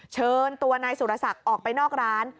เชิญตัวนายสุรศักดิ์ออกไปนอกร้าน